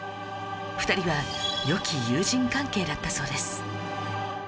２人は良き友人関係だったそうです